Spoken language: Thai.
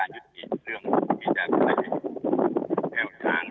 ยังได้ยินดิฉันอยู่ชัดเจนนะคะ